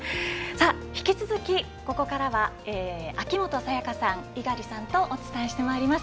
引き続きここからは秋元才加さん猪狩さんとお伝えします。